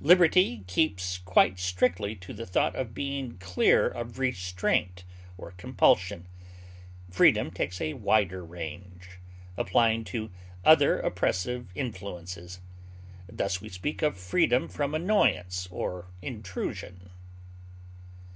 Liberty keeps quite strictly to the thought of being clear of restraint or compulsion; freedom takes a wider range, applying to other oppressive influences; thus, we speak of freedom from annoyance or intrusion.